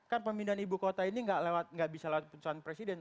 kan pemindahan ibu kota ini nggak bisa lewat pencalon presiden